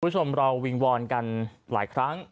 คุณผู้ชมเราวิงวอนกันหลายครั้ง